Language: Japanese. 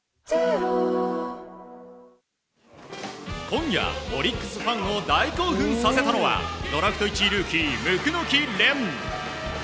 今夜、オリックスファンを大興奮させたのはドラフト１位ルーキー、椋木蓮。